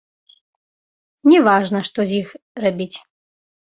Не важна, што з іх рабіць.